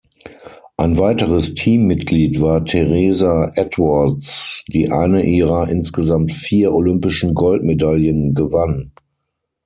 Ein weiteres Teammitglied war Teresa Edwards, die eine ihrer insgesamt vier olympischen Goldmedaillen gewann.